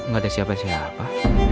gak ada siapa siapa